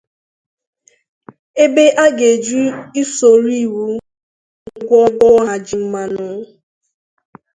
ebe a ga-eji usoro iwu wee gwọọ ha ji mmanụ.